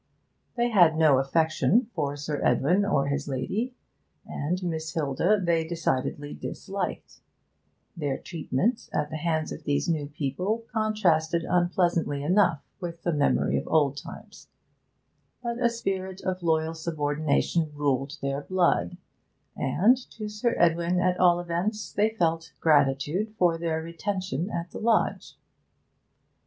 They had no affection for Sir Edwin or his lady, and Miss Hilda they decidedly disliked; their treatment at the hands of these new people contrasted unpleasantly enough with the memory of old times; but a spirit of loyal subordination ruled their blood, and, to Sir Edwin at all events, they felt gratitude for their retention at the lodge.